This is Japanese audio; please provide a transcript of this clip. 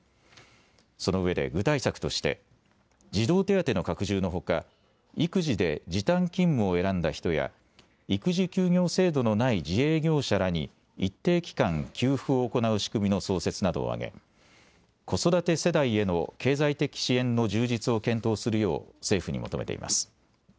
そのうえで具体策として児童手当の拡充のほか育児で時短勤務を選んだ人や育児休業制度のない自営業者らに一定期間、給付を行う仕組みの創設などを挙げ子育て世代への経済的支援の充実を検討するよう政府に求めています。